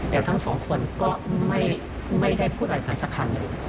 แต่ทั้งสองคนก็ไม่ได้พูดอะไรกันสักครั้งหนึ่ง